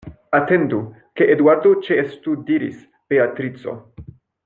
Atendu, ke Eduardo ĉeestu, diris Beatrico.